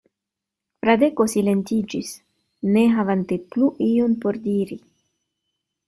Fradeko silentiĝis, ne havante plu ion por diri.